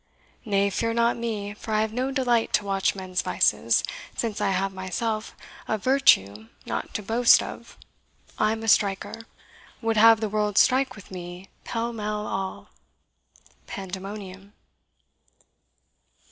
Nay, fear not me, for I have no delight To watch men's vices, since I have myself Of virtue nought to boast of I'm a striker, Would have the world strike with me, pell mell, all. PANDEMONIUM.